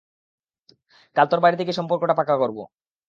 কাল তোর বাড়িতে গিয়ে সম্পর্কটা পাকা করবো।